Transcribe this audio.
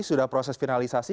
sudah proses finalisasi